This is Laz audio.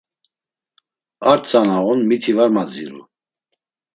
Ar tzana on mitu var madziru.